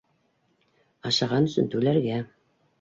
Ашаған өсөн түләргә.